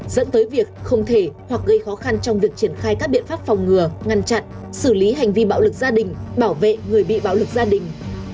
dẫn tới việc không thể hoặc gây khó khăn trong việc triển khai các biện pháp phòng ngừa ngăn chặn xử lý hành vi bạo lực gia đình bảo vệ người bị bạo lực gia đình